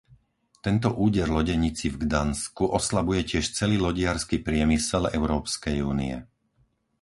Tento úder lodenici v Gdansku oslabuje tiež celý lodiarsky priemysel Európskej únie.